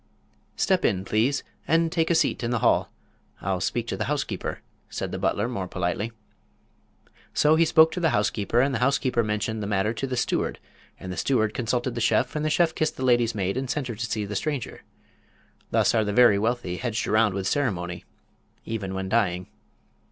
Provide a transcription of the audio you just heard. "Step in, please, and take a seat in the hall. I'll speak to the housekeeper," said the butler, more politely. So he spoke to the housekeeper and the housekeeper mentioned the matter to the steward and the steward consulted the chef and the chef kissed the lady's maid and sent her to see the stranger. Thus are the very wealthy hedged around with ceremony, even when dying.